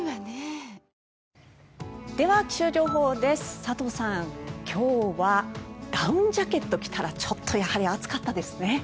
佐藤さん、今日はダウンジャケットを着たらちょっとやはり暑かったですね。